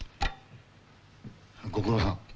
「ご苦労さん」